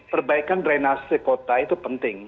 perbaikan drainase kota itu penting